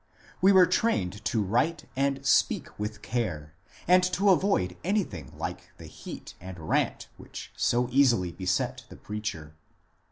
We were trained to write and speak with care, and to avoid any thing like the heat and rant which so easily beset the preacher.